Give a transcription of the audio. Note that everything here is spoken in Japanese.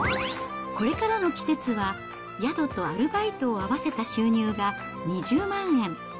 これからの季節は、宿とアルバイトを合わせた収入が２０万円。